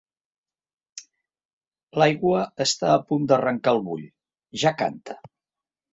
L'aigua està a punt d'arrencar el bull: ja canta.